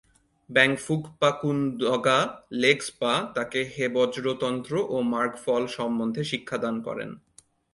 ব্যাং-ফুগ-পা-কুন-দ্গা'-লেগ্স-পা তাকে হেবজ্র তন্ত্র ও মার্গফল সম্বন্ধে শিক্ষাদান করেন।